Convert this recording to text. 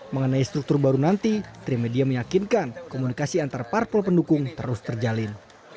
mengenai struktur baru nanti trimedia meyakinkan komunikasi antar parpol pendukung terus terjalin